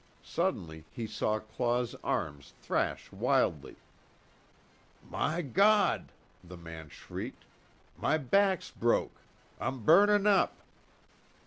Suddenly he saw Claw's arms thrash wildly: "My Gawd!" the man shrieked, "My back's broke! I'm burnin' up!"